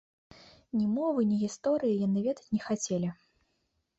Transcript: Ні мовы, ні гісторыі яны ведаць не хацелі.